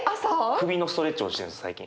首のストレッチをしてるんです最近。